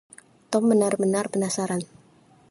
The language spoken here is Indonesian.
Tom benar-benar penasaran.